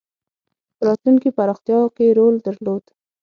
په راتلونکې پراختیا کې رول درلود.